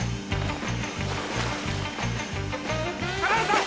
高原さん！